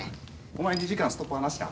お前２時間ストッパーなしな。